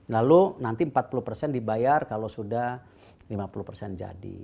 lalu nanti empat puluh persen dibayar kalau sudah lima puluh persen jadi